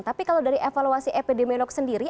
tapi kalau dari evaluasi epidemiolog sendiri